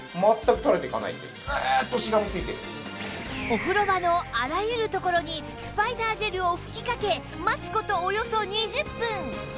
お風呂場のあらゆる所にスパイダージェルを吹きかけ待つ事およそ２０分